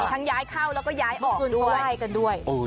มีทั้งย้ายเข้าแล้วก็ย้ายออกด้วย